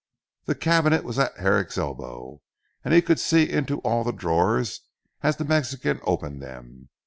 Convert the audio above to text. The Cabinet was at Herrick's elbow, and he could see into all the drawers as the Mexican opened them.